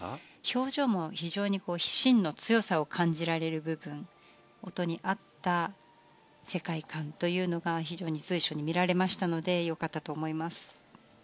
表情も非常に芯の強さを感じられる部分音に合った世界観というのが非常に随所に見られましたのでよかったと思います。